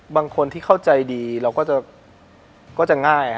บางคนที่เข้าใจดีเราก็จะง่าย